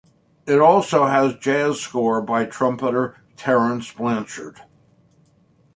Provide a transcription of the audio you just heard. It also has jazz score by trumpeter Terence Blanchard.